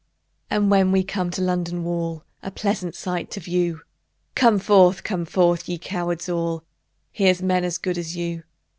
And when we come to London Wall, A pleasant sight to view, Come forth! come forth! ye cowards all: Here's men as good as you.